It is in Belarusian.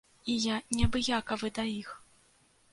І я неабыякавы да іх.